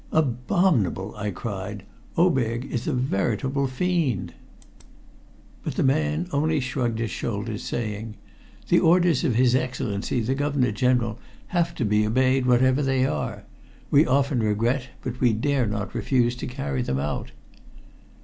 "Abominable!" I cried. "Oberg is a veritable fiend." But the man only shrugged his shoulders, saying "The orders of his Excellency the Governor General have to be obeyed, whatever they are. We often regret, but we dare not refuse to carry them out."